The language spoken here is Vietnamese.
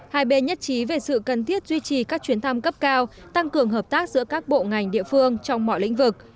hai bên nhất trí về sự cần thiết duy trì các chuyến thăm cấp cao tăng cường hợp tác giữa các bộ ngành địa phương trong mọi lĩnh vực